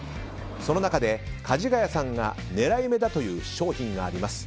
その中で、かじがやさんが狙い目だという商品があります。